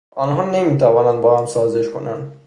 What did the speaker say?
آنﮩا نمیتوانند باهم سازش کنند